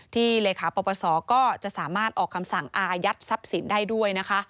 ที่เหลคาปรบประสอบก็จะสามารถออกคำสั่งอายัดทรัพย์สินได้ด้วย